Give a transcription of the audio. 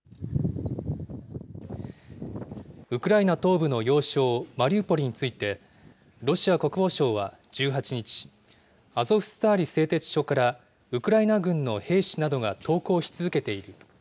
ウクライナ東部の要衝マリウポリについて、ロシア国防省は１８日、アゾフスターリ製鉄所からウクライナ軍の兵士などが投降し続けている。